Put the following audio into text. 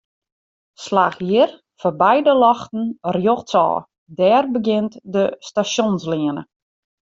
Slach hjir foarby de ljochten rjochtsôf, dêr begjint de Stasjonsleane.